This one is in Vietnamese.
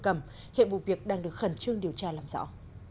cầm hiện vụ việc đang được khẩn trương điều tra làm rõ